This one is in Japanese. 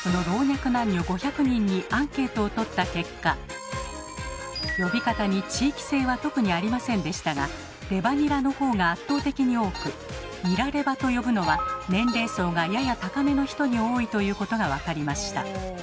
えと呼び方に地域性は特にありませんでしたが「レバニラ」の方が圧倒的に多く「ニラレバ」と呼ぶのは年齢層がやや高めの人に多いということが分かりました。